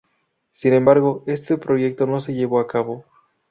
Sin embargo este proyecto no se llevó a cabo.